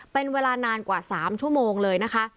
เป็นเวลานานกว่า๓ชั่วโมงเลยนะคะ